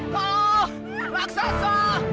raksasa itu muncul dari mana